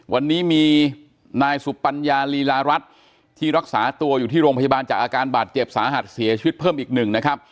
วันนี้มีนายสุปัญญาลีลารัฐที่รักษาตัวอยู่ที่โรงพยาบาลจากอาการบาดเจ็บสาหัสเสียชีวิตเพิ่มอีกหนึ่งนะครับ